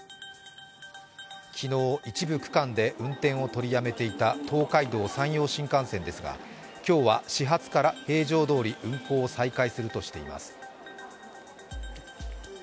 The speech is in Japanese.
昨日、一部区間で運転を取りやめていた東海道・山陽新幹線ですが今日は始発から通常どおり運行を再開するとしています。